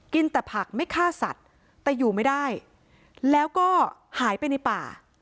กินแต่ผักไม่ฆ่าสัตว์แต่อยู่ไม่ได้แล้วก็หายไปในป่า